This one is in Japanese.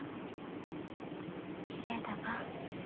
きれいだわ。